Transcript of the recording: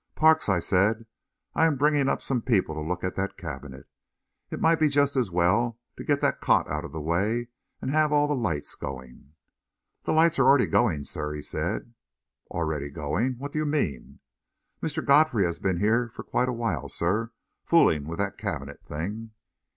"Parks," I said, "I am bringing up some people to look at that cabinet. It might be just as well to get that cot out of the way and have all the lights going?" "The lights are already going, sir," he said. "Already going? What do you mean?" "Mr. Godfrey has been here for quite a while, sir, fooling with that cabinet thing."